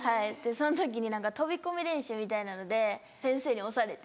その時に飛び込み練習みたいなので先生に押されて。